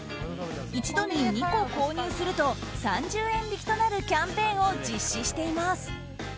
一度に２個購入すると３０円引きとなるキャンペーンを実施しています。